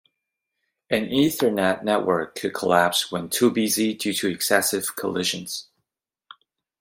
An Ethernet network could collapse when too busy due to excessive collisions.